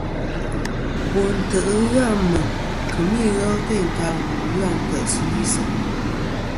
Bo ntè' ghɨ Meŋ kemɨ ighel teynta wu ghɨ a ntè'sɨlisɨ.